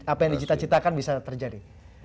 apa yang dicita citakan bisa terjadi